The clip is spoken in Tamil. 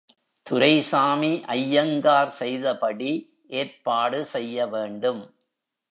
துரைசாமி ஐயங்கார் செய்தபடி ஏற்பாடு செய்ய வேண்டும்.